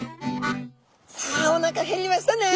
さあおなか減りましたね。